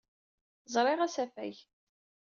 Ẓriɣ asafag.